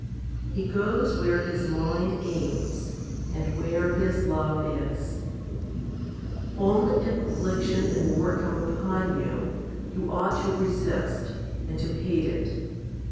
He goes where his mind aims, and where his love is. Only if affliction and war come upon you, you ought to resist, and to hate it.